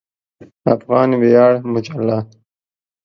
افغان ویاړ مجله